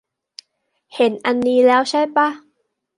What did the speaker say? เห็นอันนี้แล้วใช่ป่ะ